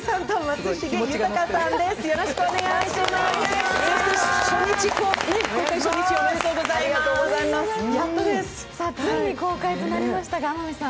ついに公開となりましたが、天海さん